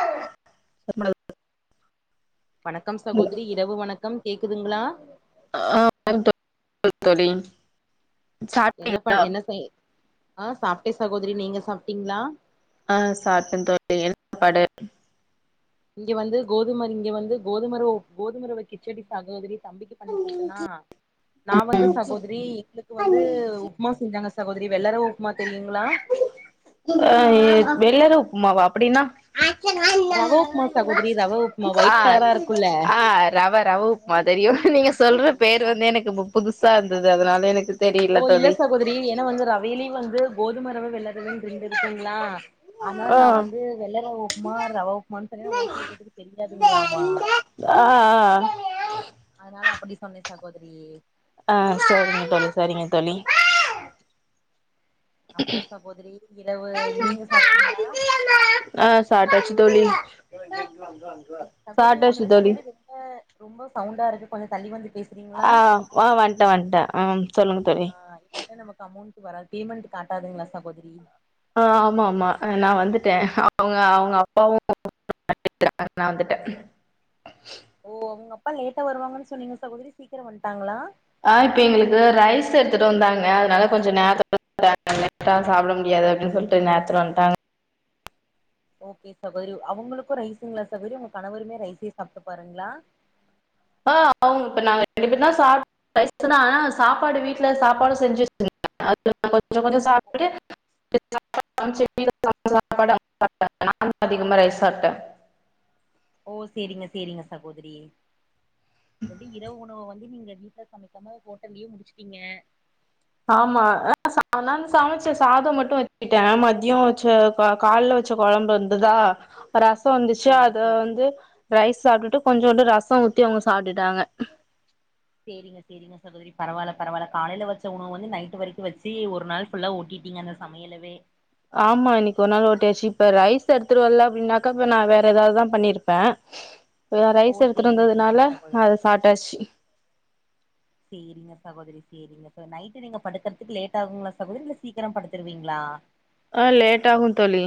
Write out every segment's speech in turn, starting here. [unintelligible] வணக்கம் சகோதரி இரவு வணக்கம் கேக்குதுங்ளா ஆ [unintelligible] தோழி என்ன ப சாப்ட்டீங்களா என்ன செய் ஆ சாப்ட்டே சகோதரி நீங்க சாப்ட்டீங்ளா ஆ சாப்ட்டே தோழி என்ன சாப்பாடு இங்க வந்து கோதும இங்க வந்து கோதுமரோ கோதுமரவ கிச்சடி சகோதரி தம்பிக்கு பண்ணி குடுத்தேனா நான் வந்து சகோதரி எங்களுக்கு வந்து உப் ப்மா செஞ்சாங்க சகோதரி எல்லாரு உப்மா திங்குங்ளா ஆ ஏ வெள்ளர உப்மாவா அப்டின்னா ரவ உப்மா சகோதரி ரவ உப்மா ஆ ஒயிட் கலரா இருக்குல்ல ஆ ரவ ரவ உப்மா தெரியு நீங்க சொல்ற பேர் ஆ வந்து எனக்கு புதுசா இருந்தது அதனால எனக்கு தெரியல ஓ இல்ல தோழி சகோதரி ஏன்னா வந்து ரவையிலயு வந்து கோதுமரவ வெல்லரவைனு ரெண்டுருக்குங்ளா ஆனா ஆ நா வந்து வெள்ள ரவ உப்மா ரவ உப்மான்னு சொன்னீன்னா ஒரு சில பேத்துக்கு தெரியாதுங்களாமா ஆ ஆ ஆ அதனால அப்டி சொன்னே சகோதரி ஆ சேரிங்க தோழி சேரிங்க தோழி அப்றோ சகோதரி இரவு நீங்க சாப்ட்டீங்ளா ஆ சாப்டாச்சு தோழி சகோதரி சாப்ட்டாச்சு உங்களுக்கு தோழி பின்னாடி ரொம்ப ரொம்ப சவுண்டாருக்கு கொஞ்சோ தள்ளி வந்து பேசு ஆ ஆ வண்டேன் வண்டேன் ஆ சொல்லுங்க தோழி கேட்டா நமக்கு அமௌண்ட் வராது பேமெண்ட் காட்டாதுங்ளா சகோதரி ஆ ஆமா ஆமா ஆ நா வந்துட்டேன் அவங்க அவங்க அப்பாவும் [unintelligible] நா வந்துட்டேன் ஓ உங்க அப்பா லேட்டா வருவாங்கன்னு சொன்னீங்க சகோதரி சீக்ரோ வன்ட்டாங்ளா ஆ இப்ப எங்களுக்கு ரைஸ் எடுத்துட்டு வந்தாங்க அதனால கொஞ்சோ நேரத்த [unintelligible] லேட்டா சாப்பிட முடியாது அப்படின்னு சொல்ட்டு நேரத்துல வன்டாங்க ஓகே சகோதரி அவங்களுக்கு ரைஸுங்களா சகோரி உங்க கணவருமே ரைஸே சாப்பிட்டு பாருங்களா ஆ அவுங்க இப்ப நா ரெண்டு பேரு தா சா ரைஸ் தா ஆனா சாப்பாடு வீட்ல சாப்பாடு செஞ்சு அது கொஞ்சோ கொஞ்சோ சாப்டு [unintelligible] சாப்பாடு நானு அதிகமா ரைஸ் சாப்ட்டே ஓ சேரிங்க சேரிங்க சகோதரி எப்டி இரவு உணவ வந்து நீங்க டின்னர் சமைக் காம ஹோட்டல்லயே முடிச்சுட்டீங்க ஆமா ஆ நான் சமச்ச சாதோ மட்டு வச்சுட்டே மதியோ வச்ச ப கால்ல வச்ச கொழம்பு இருந்துதா ரசோ இருந்துச்சு சேரி அத சேரி வந்து ரைஸ் சாப்ட்டுட்டு கொஞ்சோன்டு ரசோ ஊத்தி அவுங்க சாப்புட்டுட்டாங்க சேரிங்க சேரிங்க சகோதரி பரவால்ல பரவால்ல காலையில வச்ச உணவ வந்து நைட் வரக்கு வச்சி ஒரு நாள் ஃபுல்லா ஓட்டிட்டீங்க அந்த சமையலவே ஆமா இன்னைக்கு ஒரு நாள் ஓட்டியாச்சு இப்ப ரைஸ் எடுத்துட்டு வரல அப்புடின்னாக்கா இப்ப நா வேற ஏதாவதுதா பண்ணிருப்பே ஓ ரைஸ் எடுத்துட்டு சேரிங்க சேரிங்க வந்ததுனால சகோதரி அத சாப்டாச்சு சேரிங்க சகோதரி சேரிங்க ச நைட்டு நீங்க படுக்குறதுக்கு லேட் ஆகுங்களா சகோதரி இல்ல சீக்கிரோ படுத்துருவீங்களா ஆ லேட் ஆகு தோழி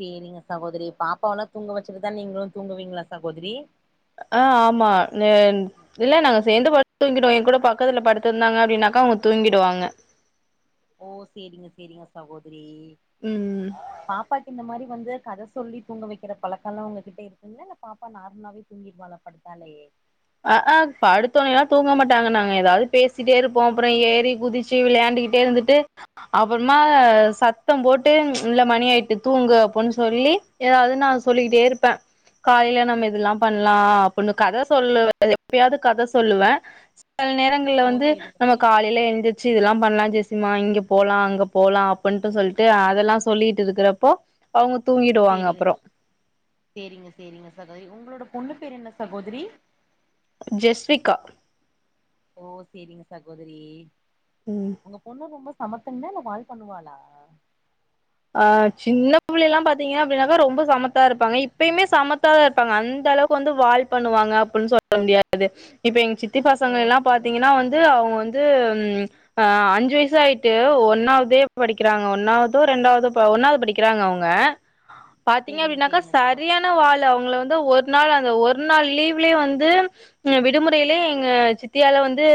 சேரிங்க சகோதரி பாப்பாவ எல்லா தூங்க வச்சுட்டுதா நீங்களு தூங்குவீங்களா சகோதரி ஆ ஆமா நேன் இல்ல நாங்க சேந்து படுத் தூங்கிடுவோ என் கூட பக்கத்துல படுத்துருந்தாங்க அப்டின்னாக்கா அவுங்க தூங்கிடுவாங்க ஓ சேரிங்க சேரிங்க சகோதரி ம் ம் பாப்பாக்கு இந்த மாரி வந்து கத சொல்லி தூங்க வக்கிற பழக்கல்லா உங்க கிட்ட இருக்குங்கலா இல்ல பாப்பா நார்மலாவே தூங்கிருவாலா படுத்தாலேயே அ அ படுத்தோனேல்லா தூங்க மாட்டாங்க நாங்க ஏதாவது பேசிட்டே இருப்போ அப்புற ஏறி குதிச் ச்சு விளையாண்டுக்கிட்டே இருந்துட்டு அப்பறமா சத்தோ போட்டு இல்ல மணி ஆயிட்டு தூங்கு அப்ன்னு சொல்லி ஏதாவது நா சொல்லிக்கிட்டே இருப்பே காலையில நம்ம இதெல்லா பண்ணலா அப்டின்னு கத சொல்லுவே எப்பயாவது கத சொல்லுவே சில நேரங்கள்ல ஓ வந்து சேரிங்க நம்ம சேரிங்க காலையில எழுந்து சு இதெல்லா பண்ணலா ஜெசிமா இங்க போலா அங்க போலா அப்ன்ட்டு சொல்லிட்டு அதெல்லா சொல்லிட்டு இருக்குறப்போ அவுங்க தூங்கிடுவாங்க சேரிங்க அப்றோ சேரிங்க சோரிங்க சகோதரி உங்களோட பொண்ணு பேரு என்ன சகோதரி ஜெஸ்விக்கா ஓ சேரிங்க சகோதரி ம் உங்க பொண்ணு ரொம்ப சமத்துங்ளா இல்ல வால் பண்ணுவாளா ஆ சின்ன பிள்ளையெல்லா பாத்தீங்ன்னா அப்புடின்னாக்கா ரொம்ப சமத்தா இருப்பாங்க இப்பயுமே சமத்தா ப்பாங்க அந்த அளவுக்கு வந்து வால் பண்ணுவாங்க அப்டின்னு சொல்ல முடியாது து இப்ப எங்க சித்தி ஓ பசங்க எல்லா சேரிங் பாத்தீங்கன்னா வந்து அவுங்க வந் து அஞ்சு வயசு ஆயிட்டு ஒன்னாவதே படிக்குறாங்க ஒன்னாவுதோ ரெண்டாவ் தோ இப்ப ஒன்னாவது படிக்கிறாங்க அவுங்க பாத்தீங்கன்னா சேரிங்க அப்டின்னாக்கா சேரிங்க சகோதரி சரியான் ன வால்ல அவுங்கள வந்து ஒரு நாள் அந்த ஒரு நாள் லீவ்லயே வந்து விடுமுறைலே எங்க சித்தியால வந்து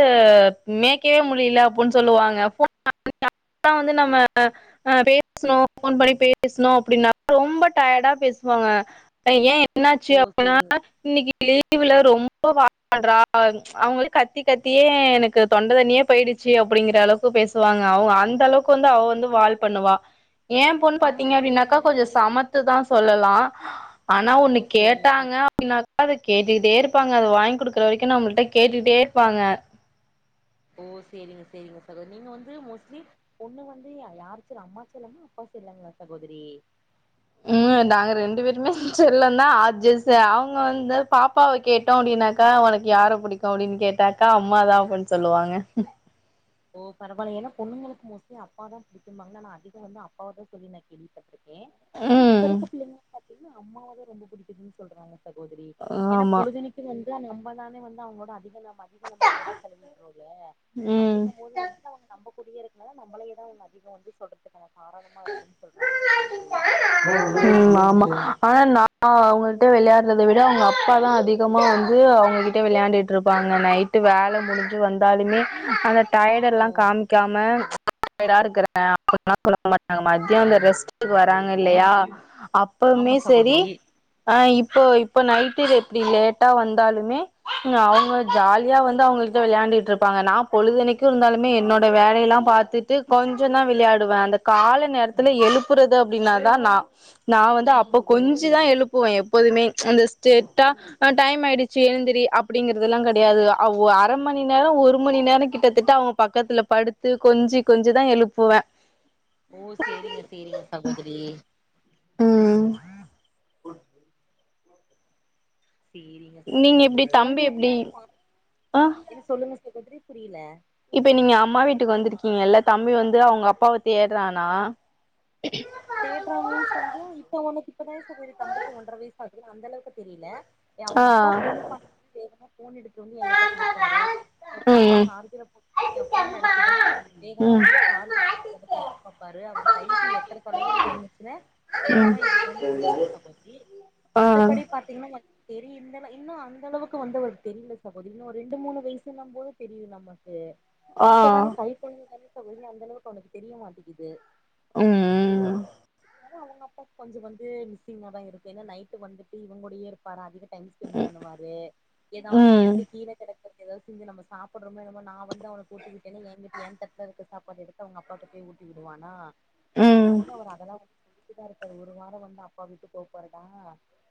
மேக்கவே முடியல அப்புன்னு சொல்லுவாங்க அப் அப்ப வந்து நம்ம அ பே ஸ்னோ ஃபோன் பண்ணி பேசணு அப்டின்னா ரொம்ப டயர்டா பேசுவாங்க ஏன் என்னாச்சு ஓ அப்பன்னா சேரிங்க இன்னைக்கி லீவுல ரொம்போ வால் பன்றா அவுங்கள் கத்தி கத்தியே எனக்கு தொண்ட தண்ணியே போயிடுச் சி அப்புடிங்கிற அளவுக்கு பேசுவாங்க அவ அந்த அளவுக்கு வந்து அவ ஆமா வந்து வால் பண்ணுவா ஏன் பொண் ஆமா பாத்தீங்க சகோதரி அப்புடின்னாக்கா ஆனா கொஞ்சோ ஒரு சமத்துதா சொல்லலா ஆனா ஒன்னு ஓ சேரிங்க ச கேட்டாங்க அப்புடினாக்கா அத கேட்டுக்கிட்டே இருப்பாங்க அத வாங்கி குடுக்குற வரைக்கு நம்முல்ட கேட்டுட்டே இருப்பாங்க ஓ செரிங்க செரிங்க சகோதரி நீங்க வந்து மோஸ்ட்லி பொண்ணு வந்து யாரு செல்லோ அம்மா செல்லமா அப்பா செல்லங்களா சகோதரி ம் நாங்க ரெண்டு பேருமே செல்லந்தா ஆஜஸ்சு அவுங்க வந்து பாப் பாவ கேட்டோ அப்டின்னாக்கா உனக்கு யார புடிக்கு அப்புடின் கேட்டாக்கா அம்மாதா அப்பின் சொல்லுவாங்க ஓ பரவால்ல ஏனா பொண்ணுங்களுக்கு மோஸ்லி அப்பாதா பிடிக்கும்பாங்க நா அதிக வந்து அப்பாவ தா சொல்லி நா கேள்விப்பட்டிரு கே ஆனா இப்ப ம் இருக்க பிள்ளைங்களா பாத்தீங்கன்னா அம்மாவ தா ரொம்ப பூடிக்குதுன்னு சொல்றாங்க சகோதரி ஏனா ஆமா பொழுதனிக் கு வந்து நம்ம தானே வந்து அவங்களோட அதிகோ நம் அதிகம் நம்ம நேர செலவிடுறோல்ல ம் அப்படிங்கும் போது வந்துட்டு அவங்க நம்ம கூடையே இருக்கனு நம்மளையே தா அவுங்க அதிகம் வந்து சொல்லறதுக்கான காரணமா இருக்குன் சொல்றாங்க சகோதரி ம் ஆமா ஆனா நா அவுங்கட்ட விளையாடுறதை விட அவுங்க அப்பா தா அதிகமா வந்து அவுங்கிட் விளையாண்ட்டுட்டுருப்பாங்க நைட்டு வேல முடிஞ்சி வந்தாலுமே அந்த டையடு ஓ எல்லா காமிக்காமா [unintelligible] அங்க மத்யோ அந்த ரெஸ்ட்டுக்கு வராங்க இல்லையா ஆமா அப்பமே சரி சகோதரி ஆ இப்போ இப்போ நைட்டு எப்டி லேட்டா வந்தாலுமே அவுங்க ஜாலியா வந்து அவுங்ளுக் விளையாண்ட்டுட்டுருப்பாங்க நான் பொழுதனைக்கு இருந்தாலுமே என்னோட வேலையெல்லா பாத்துட்டு கொஞ்சந்தா விளையாடுவே அந்த கால நேரத்துல எழுப்புறது அப்டின்னாதா நா நா வந்து அப்ப ஓ கொஞ்சிதா சேரி எழுப் புவே எப்போதுமே அந்த ஸ்டேட்டா டைம் ஆயிடுச்சி எழுந்திரி அப்டிங்கறதல்லா கெடையாது அவுங்க அரை மண் நேரோ ஒரு மணி நேரோ கிட்டத்தட்ட அவுங்க பக்கத்துல படுத்து கொஞ்சி கொஞ்சி தா எழுப்புவே ஓ செரிங்க செரிங்க சகோதரி ம் ம் சேரிங்க சகோரி நீங்க உங்க எப்டி தம்பி கொழந்தய எப்டி எங்கேயாச்சு பாத் ஆ என்ன சொல்லுங்க சகோதரி புரியல இப்ப நீங்க அம்மா வீட்டுக்கு வந்திருக்கீங்கல்ல தம்பி வந்து அவுங்க அப்பாவ தேட்றானா தேடுறான் மீஸ் வந்து இப்ப அவுனுக்கு இப்பதா சகோதரி தம்பிக்கு ஒன்றர வயசு ஆகுது அந்த அளவுக்கு தெரில ஆ அவுங்க அப்பா போன் பண்ணா வேகமா போன் எடுத்து வந்து என்கிட்ட குடுப்பாரு என் போன் நா ம் சார்ஜர போட் என் போன் அடிச்சிதுன்னா வேகமா வந்து சார்ஜ் போட்டு இருக்கறது எடுத்து பாப்பாரு அவர் கைக்கு எட்டற தொலைவுல இருந்துச்சின்னா வேகமா எடுத்துட்டு வந்து குடுப்பாரு சகோதரி மத்தபடி பாத்தீங்கன்னா தெரிய இந்தள இன்னு அந்த அளவுக்கு வந்த அவுருக் தெரியல சகோதரி இன்னு ஒரு ரெண்டு மூணு வயசுன்னும்போது தெரியும் நமக்கு இப்பதானே கை கழந்தை தானே சகோதரி அந்த அளவுக்கு அவனுக்கு தெரிய மாட்டேங்கிது ம் ம் ஆனா அவுங்க அப்பா கொஞ்சம் வந்து மிஸ்ஸிங்க தா இருக்கு ஏனா நைட் வந்துட்டு இவுங்கூடைய இருப்பாற அதிக டைம் ஸ்பெண்ட் பண்ணுவாரு ஏதாவது ம் வந்துட்டு கீழ கெடச் ஏதாவது திங்க நம்ம சாப்பட்றமே என்னாமோ நா வந்து அவனுக் ஊட்டிவிட்டேன்னு எங்கிட் என் தட்டுல இருக்கு சாப்பாட்டு எடுத்து அவுங்க அப்பா தட் ஊட்டி விடுவானா ம் ம் அப்டிங்கும்போது அவர் அதெல்லா வந்து சொல்லிட்டு தா இருக்காரு ஒரு வாரம் வந்து அப்பா விட்டு போபோறடா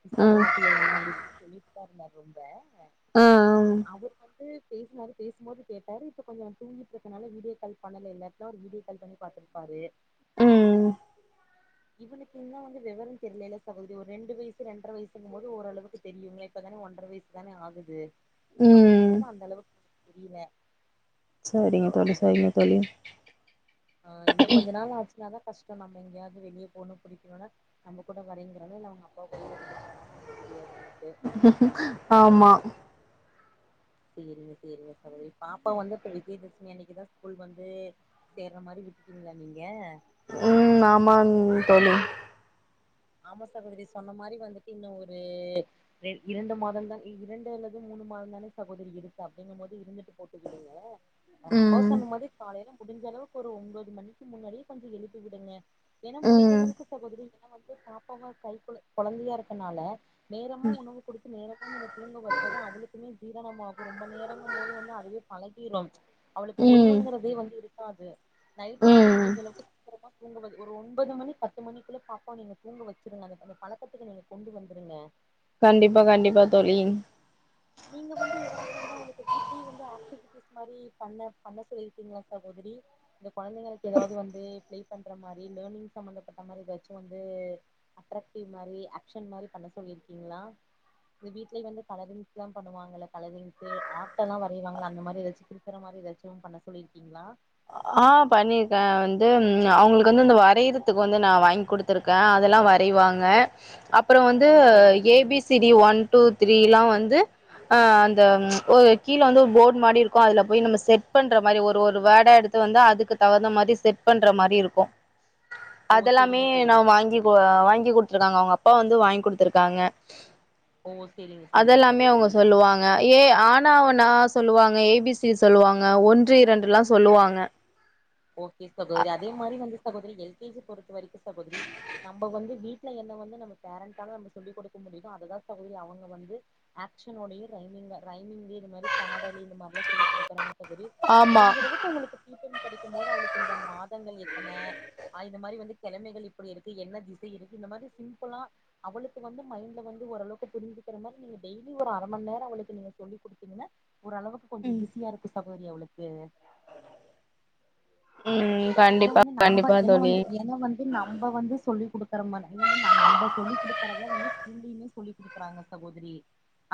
மிஸ் ஆ பண்ண மாட்டியா என்ன அப்டின் சொல்லிட்டு தா இருந்தாரு ரூம்ல ஆ அவர் வந்து பேசுனாரு பேசும்போது கேட்டாரு இப்போ கொஞ்சம் தூங்கிட்டு இருக்கனால வீடியோ கால் பண்ணல இல்லாட்னா ஒரு வீடியோ கால் பண்ணி பாத்துருப்பாரு ம் இவனுக்கு இன்னு வந்து விவரம் தெரியலல்ல சகோதரி ஒரு ரெண்டு வயசு இரண்டரை வயசுங்கும் போது ஓரளவுக்கு தெரியுங்களே இப்ப தானா ஒன்ற வயசு அதானே ஆகுது ம் ம் அப்படிங்கும்போது அந்தளவுக் தெரியில செரிங்க தோழி செரிங்க தோழி ஆ இன்னு கொஞ்ச நாள் ஆச்சின்னாதா கஷ்டோ நம்ம எங்கையாவ்து வெளிய போனு அப்படிக்குனால நம்ம கூட வரேங்குறாளோ இல்ல அவுங்க அப்பா கூட இருந்துக்கிறானாலு ஒண்ணு தெரியாது நமக்கு ஆமா செரிங்க செரிங்க சகோதரி பாப்பா வந்து இப்ப விஜயதசமி அன்னைக்கிதா ஸ்கூல் வந்து சேர்ற மாரி விட்டுட்டீங்ளா நீங்க ம் ஆமாங் தோழி ஆமா சகோதரி சொன்ன மாரி வந்துட்டு இன்னு ஒரு ரெண் இரண்டு மாதந்தான் இரண்டு அல்லது மூணு மாத தானே சகோதரி இருக்கு அப்படிங்கம் போது இருந்துட்டு போட்டுவிடுங்க அவுங்க அப்பா ம் சொன்ன மாரி காலையில முடிஞ்சளவுக் கு ஒரு உம்போது மணிக்கு முன்னாடியே கொஞ்சு எழுப்பி விடுங்க ஏன்னா ம் முடிஞ்சளவுக்கு சகோதரி ஏன்னா வந்து பாப்பா வ கைக்குழந் கொழந்தையா இருக்கனால நேரமா உணவு குடுத்து நேரமா நீங்க தூங்க வெசதா அவளுக்குமே ஜீரணமாகு ரொம்ப நேரங்கமோது வந்து அதுவே பழகிரும் அவளுக்கு ம் ஓய்வுங்கறதே வந்து இருக்காது நைட்டு வந்து ம் முடிஞ்சளவுக்கு சீக்கிரமா தூங்குவது ஒரு உம்பது மணி பத்து மணிக்குள்ள பாப்பாவ் நீங்க தூங்க வச்சிருங்க அந்த அந்த பழக்கத்துக்கு நீங்க கொண்டு வந்துருங்க கண்டிப்பா கண்டிப்பா தோழி நீங்க வந்து எதாவ்து வந்து அவுங்களுக்கு வீட்லியே வந்து ஆக்டிவிட்டிஸ் மாரி பண்ண பண்ண சொல்லிருக்கீங்களா சகோதரி இந்த கொழந்தைங்களுக்கு எதாவ்து வந்து ப்ளே பண்ற மாரி லேனிங் சம்மந்தப்பட்ட மாரி எதாச்சு வந்து அட்ரக்டிவ் மாரி ஆக்ஷன் மாரி பண்ண சொல்லியிருக்கீங்களா இது வீட்லே வந்து கலரிங் லாம் பண்ணுவாங்கள கலரிங் இது ஆர்ட்டெல்லா வரைவாங்கலா அந்த மாரி எதாச்சு கிருக்குற மாரி எதாச்சும் பண்ண சொல்லியிருக்கீங்களா? ஆ பண்ணிருக்கே வந்து ம் அவுங்ளுக்கு வந்து இந்த வரையறதுக் வந்து நா வாய்ங்குடுத் திருக்கே அதெல்லா வரைவாங்க அப்புறோ வந்து ஓ சேரிங்க ஏ பி சேரிங்க சி டி சகோதரி ஒன் டூ த்ரீல்லா வந்து ஆ அந்த ம் ஒரு கீழ வந்து ஒரு போடு மாரி இருக்கு அதுல போய் நம்ம செட் பண்ற மாரி ஒரு ஒரு வேடா எடுத் து வந்து அதுக்கு தகுந்த மாரி செட் பண்ற மாரி இருக்கு ஓ அதெல்லாமே சேரிங்க நா சேரிங்க வாங்கி கொ சகோதரி வாங்கி குட் த்ருகாங்கோ அவுங்க அப்பா வந்து வாய்ங் குடுத்துருக்காங்க ஓ சேரிங்க சேரிங்க அதெல்லாமே அவுங்க சகோதரி சொல்லுவாங் க ஏ ஆன ஆவனா சொல்லுவாங்க ஏ பிசி சொல்லுவாங்க ஒன்று இரண்டுலா சொல்லுவாங்க ஓகே சகோதரி அதே மாரி வந்து சகோதரி எல் கே ஜி பொறுத்த வரிக்கு சகோதரி நம்ப வந்து வீட்ல என்ன வந்து நம்ம பேரண்டால நம்ம சொல்லிக் குடுக்க முடியுதோ அதுதா சகோதரி அவங்க வந்து ஆகஷன்யோடையு ரைமிங்கு ரைமிங்கு இந்த மாரி பாடலு இந்த மாரல்லா சொல்லி குடுக்கறாங்க சகோதரி ஆமா முடிஞ்சளவுக்கு உங்களுக்கு ஃப்ரீ டைம் கெடைக்குமோது அவளுக்கு இந்த மாதங்கள் எத்தன அ இந்த மாரி வந்து கிழமைகள் இப்படி இருக்கு என்ன திசை இருக்கு இந்த மாரி சிம்பிளா அவளுக்கு வந்து மைண்ட்ல வந்து ஓரளவுக்கு புரிஞ்சுக்கிற மாரி நீங்க டெய்லி ஒரு அர மண் நேரொ அவளுக்கு நீங்க சொல்லி குடுத்தீங்கன்னா ஓரளவுக்கு கொஞ்சோ ம் ஈஸியா இருக்கு சகோதரி அவளுக்கு ம் ம் ஏனா வந்து நம்பல் என்ன வந்து ஏனா வந் து நம்ப வந்து சொல்லிக் குடுக்கற மாரி [unintelligible] நம்ப சொல்லி குடுக்கறத வந்து ஸ்கூலியிமே சொல்லி குடுக்குறாங்க சகோதரி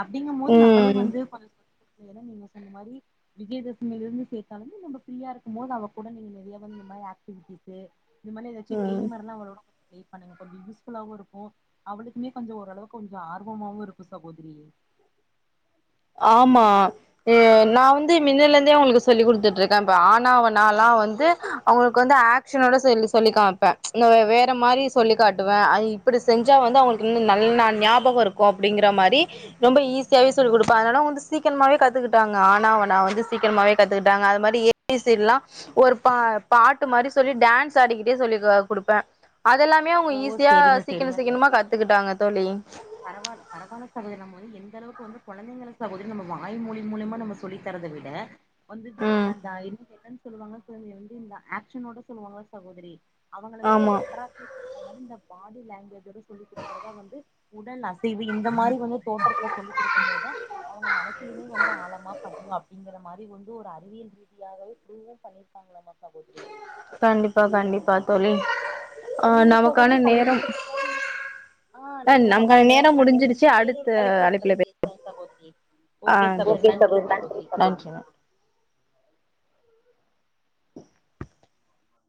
அப்டிங்கமோது நம்பளே ம் வந்து [inaudible] ஏனா நீங்க சொன்ன மாதிரி விஜயதசமிலிந்து சேத்தாலு நம்ம ஃப்ரியா இருக்குமோது அவ கூட நீங்க நெறைய இந்த மாரி ஆக்டிவிட்டிஸு இந்த மார்ல்லா எதாச்சு ம் கேம் மாரில்லா அவளோட ப்ளே பண்ணுங்க கொஞ்ச யூஸ்ஃபுல்லாவு இருக்கு அவளுக்குமே கொஞ்சோ ஓளவுக்கு கொஞ்சோ ஆர்வமவு இருக்கு சகோதரி ஆமா எ நா வந்து மின்னல இருந்தே அவங்களுக்கு சொல்லி குடுத்துட்டு இருக்கே இப்ப ஆ னா ஆ வனாலா வந்து அவங்களுக்கு வந்து ஆ க்ஷனலா சொல்லி சொல்லி காம்ப்பே இந்த வே வேற மாரி சொல்லி காட்டுவே அ இப்டி செஞ்சா வந்து அவங்களுக் கு நல்லா ஞாபகோ இருக்கு அப்டிங்கிற மாரி ரொம்ப ஈஸியாவே சொல்லிக் குடு ப்ப அதனால வந்து சீக்கிரமாவே கத்துக்கிட்டாங்க அ னா ஆ வனா வந்து சீக்கிரமாகவே கத்துக்கிட்டாங்க அது மாரி ஏ பி சி டி லா ஒரு பா பாட்டு மாரி சொல்லி டான்ஸ் ஆடிக்கிட்டே சொல்லி கொ குடுப்பே அதெல்லாம் மே அவங்க ஓ ஈஸியா செரிங்க சீக்ர சீக்கரமா கத்துக்கிட்டாங்க தோழி. பரவால பரவால சகோதரி நம்ம வந்து எந்த அளவுக்கு வந்து கொழந்தைங்கள சகோதரி நம்ம வாய் மொழி மூலமா நம்ம சொல்லித்தரத விட வந்துன்னு இந்த ம் அந்த என்னன்னு சொல்லுவாங்க சகோதரி வந்து இந்த ஆக்ஷனோட சொல்லுவாங்களா சகோதரி அவங்கள வந்து ஆமா அக்ட்ராக்டிவ் பண்ற மாரி இந்த பாடி லாங்குவேஜோடே சொல்லி குடுக்குறதா வந்து உடல் அசைவு இந்த மாரி வந்து தோற்றத்துல சொல்லி குடுக்கம் போதா அவங்க மனசுலயுமே வந்து ஆழமா பதியு அப்டிங்கற மாரி வந்து ஒரு அறிவியல் ரீதியாகவே ப்ருவும் பண்ணி க்காங்களமா சகோதரி கண்டிப்பா கண்டிப்பா தோழி அ நீங்க சகோதரி நமக்கான நேரம் கல்யாணத்துக்கு முன்னாடி ஆ நமக்கான நேரம் முடிஞ்சிருச்சு அடுத்த வேறொரு தலைப்புல இத அழைப்புல பத்தி பே பேசலா சகோதரி [inaudible] ஆ ஓகே சகோதரி நன்றி சகோதரி ஆ நன்றி நன்